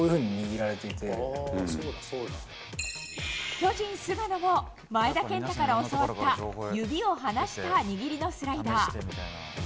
巨人、菅野も前田健太から教わった指を離した握りのスライダー。